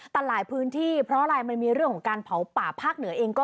แต่หลายพื้นที่เพราะอะไรมันมีเรื่องของการเผาป่าภาคเหนือเองก็